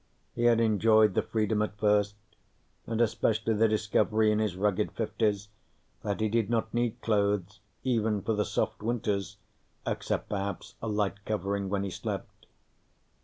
He had enjoyed the freedom at first, and especially the discovery in his rugged fifties that he did not need clothes even for the soft winters, except perhaps a light covering when he slept.